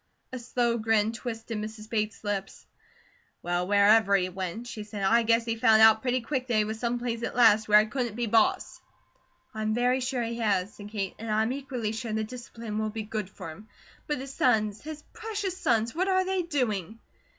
A slow grin twisted Mrs. Bates' lips. "Well, wherever he went," she said, "I guess he found out pretty quick that he was some place at last where he couldn't be boss." "I'm very sure he has," said Kate, "and I am equally sure the discipline will be good for him. But his sons! His precious sons! What are they doing?"